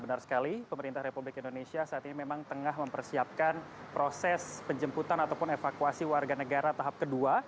benar sekali pemerintah republik indonesia saat ini memang tengah mempersiapkan proses penjemputan ataupun evakuasi warga negara tahap kedua